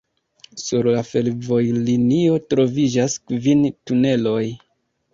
Sur la fervojlinio troviĝas kvin tuneloj.